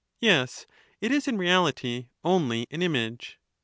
Yes ; it is in reality only an image.